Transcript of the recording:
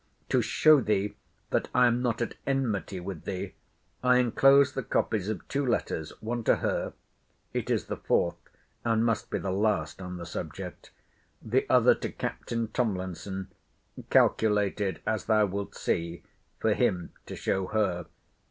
To show thee, that I am not at enmity with thee, I enclose the copies of two letters—one to her: it is the fourth, and must be the last on the subject——The other to Captain Tomlinson; calculated, as thou wilt see, for him to show her.